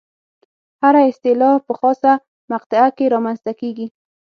هره اصطلاح په خاصه مقطع کې رامنځته کېږي.